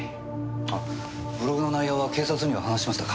あブログの内容は警察には話しましたか？